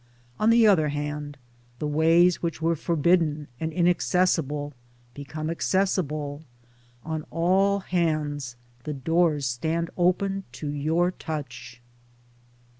On the other hand the ways which were forbidden and inacces sible become accessible — on all hands the doors stand open to your touch.